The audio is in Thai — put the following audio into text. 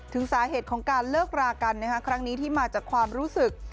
ถึงสาเหตุของการเลิกรากันครั้งนี้ที่มาจากความรู้สึก